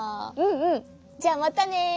うんうんじゃあまたね。